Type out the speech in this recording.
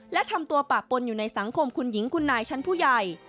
และทำตัวปะปนอยู่ในสังคมคุณหญิงคุณนายชั้นผู้ใหญ่